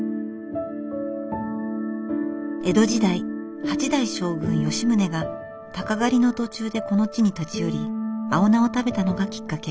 江戸時代八代将軍吉宗が鷹狩りの途中でこの地に立ち寄り青菜を食べたのがきっかけ。